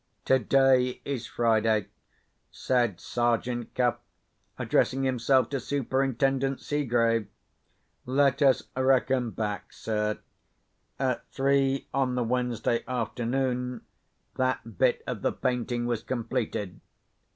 "Today is Friday," said Sergeant Cuff, addressing himself to Superintendent Seegrave. "Let us reckon back, sir. At three on the Wednesday afternoon, that bit of the painting was completed.